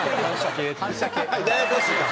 ややこしいな。